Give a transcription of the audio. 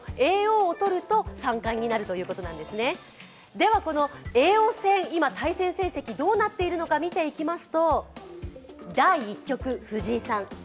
ではこの叡王戦、今対戦成績どうなっているのか見ていきます。